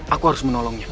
aku harus menolongnya